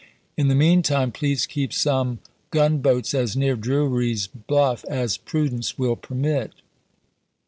In the mean time please keep voi.'xi., some gunboats as near Drewry's Bluff as prudence will p. 250. " permit.